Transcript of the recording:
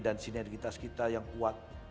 sinergitas kita yang kuat